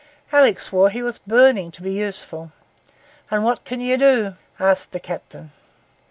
Alick swore he was burning to be useful. 'And what can you do?' asked the captain.